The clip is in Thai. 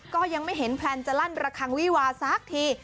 ก็ยังไม่เห็นแพลนจะลั่นระคังวิวาสักที